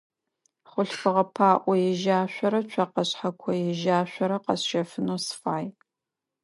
Хъулъфыгъэ паӏо ежьашъорэ цокъэ шъхьэко ежьашъорэ къэсщэфынэу сыфай.